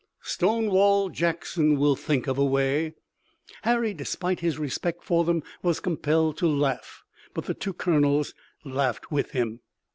"Stonewall Jackson will think of a way." Harry, despite his respect for them, was compelled to laugh. But the two colonels laughed with him.